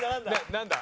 なんだ？